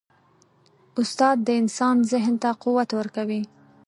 استاد د انسان ذهن ته قوت ورکوي.